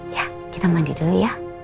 ya kita mandi dulu ya